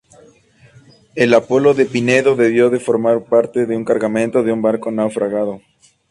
El Apolo de Pinedo debió de formar parte del cargamento de un barco naufragado.